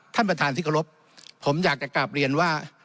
ท่านประธานที่เคารพผมอยากจะกลับเรียนว่า